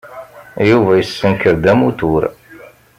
Yuba yessenker-d amutur.